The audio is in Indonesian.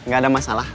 gak ada masalah